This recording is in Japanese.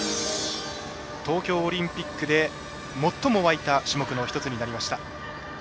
東京オリンピックで最も沸いた種目の１つになりました。